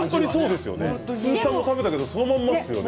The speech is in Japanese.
鈴木さんも食べたけどそのままですよね。